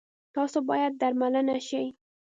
تاسو باید درملنه شی